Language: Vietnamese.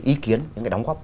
ý kiến những cái đóng góp